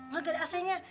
gak ada ac nya